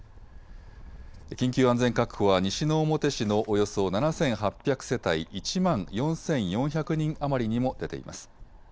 緊急安全確保は西之表市のおよそ７８００世帯１万４４００人余りにも出ています。